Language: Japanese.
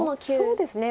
そうですね。